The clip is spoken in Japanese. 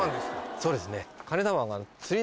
そうですね。